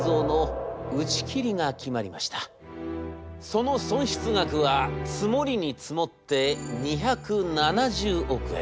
その損失額は積もりに積もって２７０億円。